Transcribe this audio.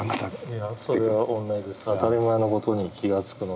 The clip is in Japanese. いやそれはおんなじです。